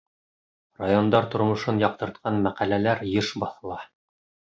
Райондар тормошон яҡтыртҡан мәҡәләләр йыш баҫыла.